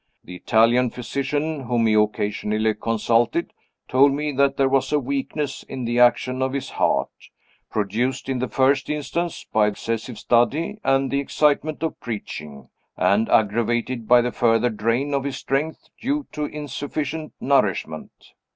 The Italian physician, whom he occasionally consulted, told me that there was a weakness in the action of his heart, produced, in the first instance, by excessive study and the excitement of preaching, and aggravated by the further drain on his strength due to insufficient nourishment.